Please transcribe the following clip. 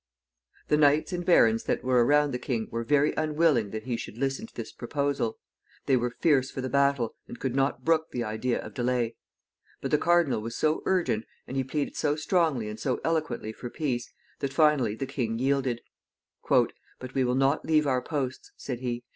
The knights and barons that were around the king were very unwilling that he should listen to this proposal. They were fierce for the battle, and could not brook the idea of delay. But the cardinal was so urgent, and he pleaded so strongly and so eloquently for peace, that, finally, the king yielded. "But we will not leave our posts," said he.